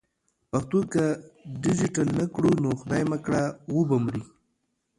پښتو که ډیجیټل نه کړو نو خدای مه کړه و به مري.